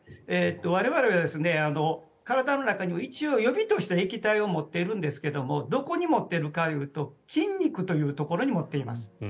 我々は体の中にも一応、予備として液体を持っているんですがどこに持っているかというと筋肉というところに持っています。